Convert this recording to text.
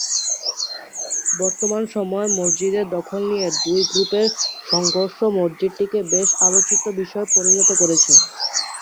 বর্তমান সময়ে মসজিদের দখল নিয়ে দুই গ্রুপের সংঘর্ষ মসজিদটিকে বেশ আলোচিত বিষয়ে পরিণত করেছে।